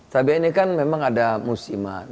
cabai ini kan memang ada musiman